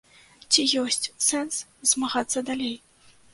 Ці ёсць сэнс змагацца далей?